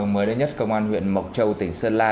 mới đây nhất công an huyện mộc châu tỉnh sơn la